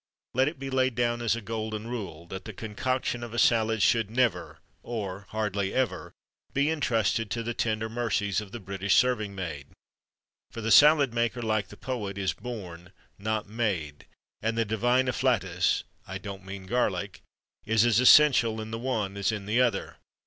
Let it be laid down as a golden rule, that the concoction of a salad should never, or hardly ever, be entrusted to the tender mercies of the British serving maid. For the salad maker, like the poet, is born, not made; and the divine afflatus I don't mean garlic is as essential in the one as in the other.